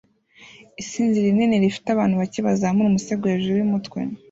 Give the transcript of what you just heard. Isinzi rinini rifite abantu bake bazamura umusego hejuru yumutwe